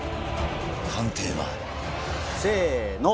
判定はせーの。